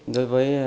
đối với các thôn